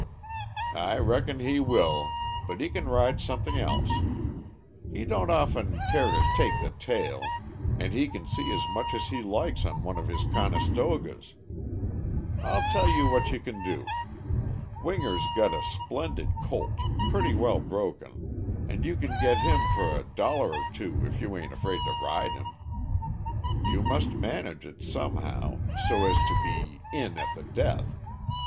"I reckon he will, but he can ride something else. He don't often care to take the tail, and he can see as much as he likes on one of his 'conestogas.' I'll tell you what you can do. Winger's got a splendid colt, pretty well broken, and you can get him for a dollar or two if you a'n't afraid to ride him. You must manage it somehow, so as to be 'in at the death!'